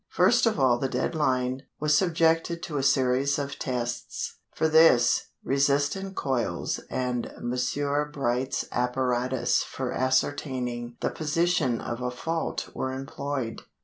First of all the dead line was subjected to a series of tests. For this, resistance coils and Messrs. Bright's apparatus for ascertaining the position of a fault were employed.